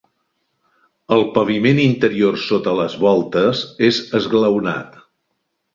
El paviment interior sota les voltes és esglaonat.